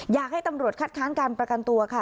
อยากให้ตำรวจคัดค้านการประกันตัวค่ะ